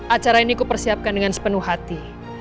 acara ini kupersiapkan dengan sepenuh hati